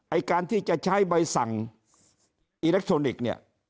ไอ้การที่จะใช้ใบสั่งอิเล็กทรอนิกส์เนี่ย